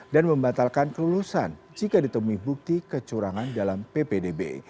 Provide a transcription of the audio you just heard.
dan membatalkan kelulusan jika ditemui bukti kecurangan dalam pbdb